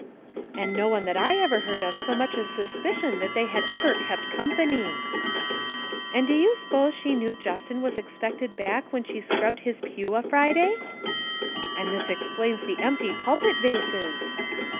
"('And no one that I ever heard of so much as sus picioned that they had ever kept company!') 128 THE WOMEN WHO MAKE OUR NOVELS "('And do you s'pose she knew Justin was expected back when she scrubbed his pew a Friday?') "('And this explains the empty pulpit vases!')